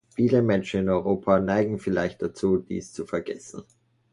Viele Menschen in Europa neigen vielleicht dazu, dies zu vergessen.